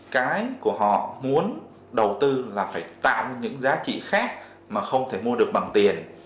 cái của họ muốn đầu tư là phải tạo ra những giá trị khác mà không thể mua được bằng tiền